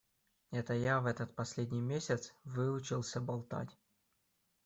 Это я в этот последний месяц выучился болтать.